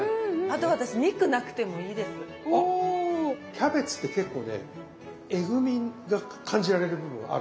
キャベツって結構ねえぐみが感じられる部分もあるんですよ。